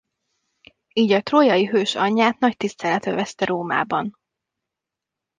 Így a trójai hős anyját nagy tisztelet övezte Rómában.